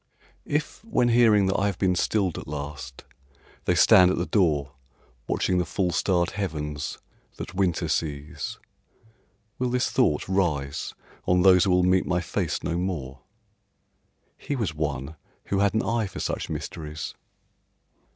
If, when hearing that I have been stilled at last, they stand at the door, Watching the full starred heavens that winter sees, Will this thought rise on those who will meet my face no more, "He was one who had an eye for such mysteries"?